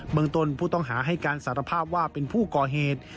เมืองต้นผู้ต้องหาให้การสารภาพว่าเป็นผู้ก่อเหตุ